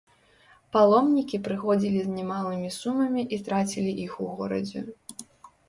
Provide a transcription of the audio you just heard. Паломнікі прыходзілі з немалымі сумамі і трацілі іх у горадзе.